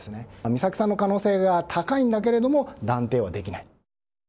美咲さんの可能性が高いんだけれども断定はできない。